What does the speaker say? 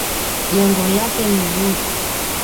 Jengo lake ni zuri.